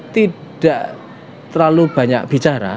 tidak terlalu banyak bicara